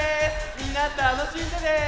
みんなたのしんでね！